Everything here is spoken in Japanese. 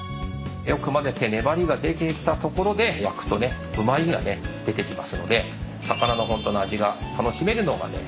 よく混ぜて粘りが出てきたところで焼くとねうま味がね出てきますので魚のホントの味が楽しめるのがね